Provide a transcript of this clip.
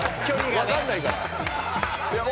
わかんないから。